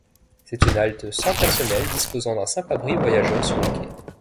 C'est une halte sans personnel, disposant d'un simple abri voyageurs sur le quai.